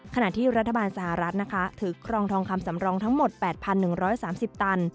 ขณะที่รัฐบาลสหรัฐนะคะถือครองทองคำสำรองทั้งหมด๘๑๓๐ตัน